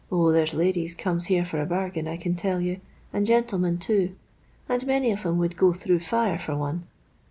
0, there 's ladies comes here for a bargain, I can tell you, and gentlemen, too ; and many on 'em would go through fire for one.